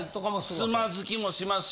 つまずきもしますし